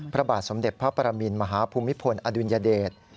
พระบาทสมเด็จพระปรมินมหาภูมิพลอดุลยเดช